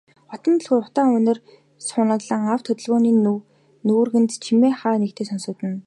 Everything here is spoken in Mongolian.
Хотын дээгүүр утаа униар суунаглан, авто хөдөлгөөний нүргээнт чимээ хаа нэгхэн сонсогдоно.